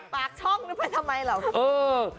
ปากช่องหรือไปทำไมเหรอ